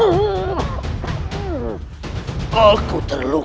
yang akan tersadar